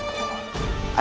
terima kasih putraku